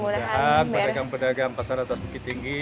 mudah mudahan pedagang pedagang pasar atas bukit tinggi